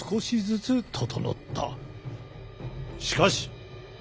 しかし！